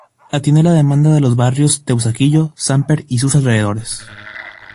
Atiende la demanda de los barrios Teusaquillo, Samper y sus alrededores.